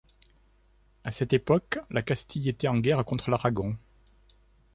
À cette époque, la Castille était en guerre contre l'Aragon.